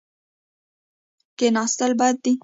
کښېناستل بد دي.